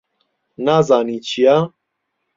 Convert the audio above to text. نازانی چییە؟